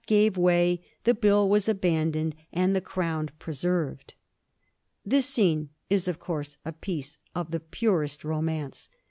421 gave way ; the Bill was abandoned, and the crown preserved. This scene is, of course, a piece of the purest romance.